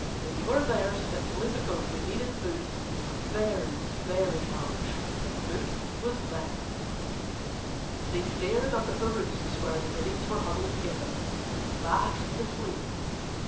They were there simply because they needed food very, very much, and food was there. They stared up at the roosts where the biddies were huddled together, fast asleep.